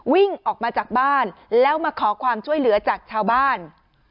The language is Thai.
วิ่งออกมาจากบ้านแล้วมาขอความช่วยเหลือจากชาวบ้าน